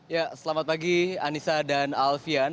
ya selamat pagi anissa dan alfian